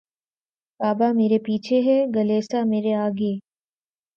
کعبہ مرے پیچھے ہے کلیسا مرے آگے